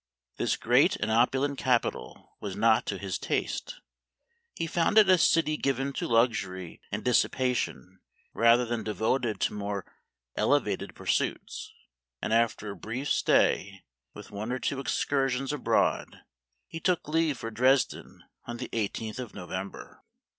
This great and opulent capital was not to his taste. He found it a city given to luxury and dissipation rather than devoted to more ele vated pursuits, and after a brief stay, with one or two excursions abroad, he took leave for Dresden on the 18th of November.